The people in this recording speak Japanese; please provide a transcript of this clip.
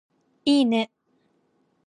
いーね